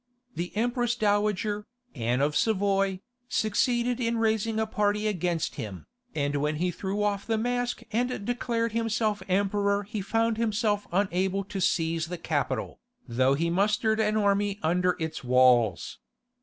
The Empress Dowager, Anne of Savoy, succeeded in raising a party against him, and when he threw off the mask and declared himself emperor he found himself unable to seize the capital, though he mustered an army under its walls.